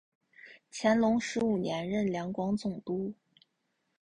乾隆十五年任两广总督。